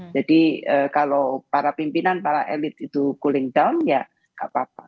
jadi kalau para pimpinan para elit itu cooling down ya nggak apa apa